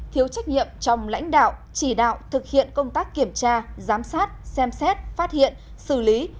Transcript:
thiếu trách nhiệm trong lãnh đạo chỉ đạo thực hiện công tác kiểm tra giám sát xem xét phát hiện xử lý